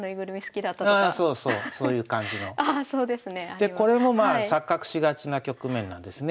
でこれもまあ錯覚しがちな局面なんですね。